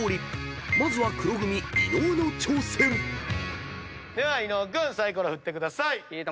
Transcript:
［まずは黒組伊野尾の挑戦］では伊野尾君サイコロ振ってください。